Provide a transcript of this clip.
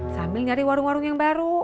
sambil nyari warung warung yang baru